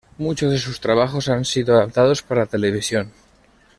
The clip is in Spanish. Muchos de sus trabajos han sido adaptados para televisión.